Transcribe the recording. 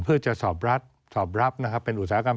เพื่อจะสอบรับเป็นอุตสาหกรรม